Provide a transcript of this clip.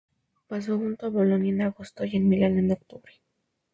Pasó junto a Bolonia en agosto y en Milán en octubre.